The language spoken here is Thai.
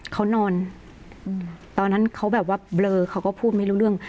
เขานอนตอนนั้นเขาแบบว่าเบลอเขาก็พูดไม่รู้เรื่อง